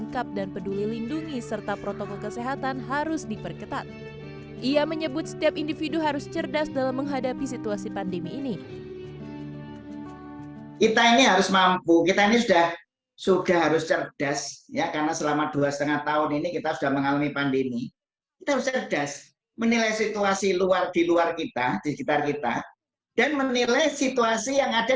hai dan penduduk penduduk yang berpengalaman dengan pandemi covid sembilan belas di indonesia dan di negara lainnya